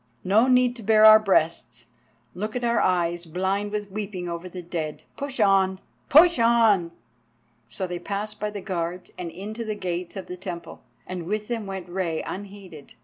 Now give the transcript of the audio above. No need to bare our breasts, look at our eyes blind with weeping over the dead. Push on! push on!" So they passed by the guards and into the gates of the Temple, and with them went Rei unheeded.